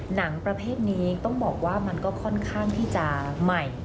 หนังประเภทนี้ต้องบอกว่ามันก็ค่อนข้างที่จะใหม่